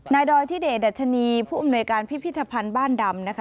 ดอยทิเดชดัชนีผู้อำนวยการพิพิธภัณฑ์บ้านดำนะคะ